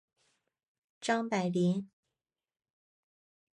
张百麟。